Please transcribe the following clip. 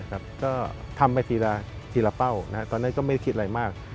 ก็ทำไปทีละเป้าตอนนั้นก็ไม่คิดอะไรมาก